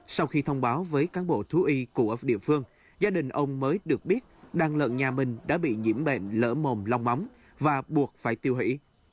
sau khi thông báo với cán bộ thú y của địa phương gia đình ông mới được biết đàn lợn nhà mình đã bị nhiễm bệnh lở mồm long móng và buộc phải tiêu hủy